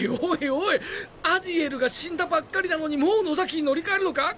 おいアディエルが死んだばっかりなのにもう野崎に乗り換えるのか？